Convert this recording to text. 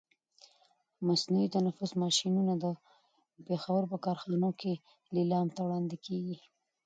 مصنوعي تنفس ماشینونه د پښاور په کارخانو کې لیلام ته وړاندې کېږي.